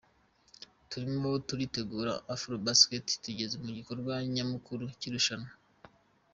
Turimo turitegura Afro-Basket, tugeze ku gikorwa nyamukuru cy’irushanwa.